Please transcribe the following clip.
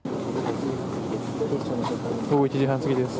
午後１時半過ぎです。